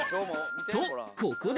と、ここで。